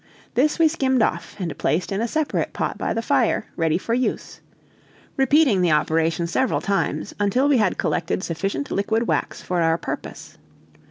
This we skimmed off and placed in a separate pot by the fire, ready for use; repeating the operation several times, until we had collected sufficient liquid wax for our purpose.